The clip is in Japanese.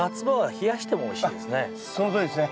これはそのとおりですね。